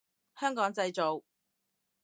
香港製造